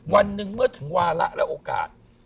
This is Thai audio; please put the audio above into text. วันหนึ่งเมื่อถึงวาระและโอกาส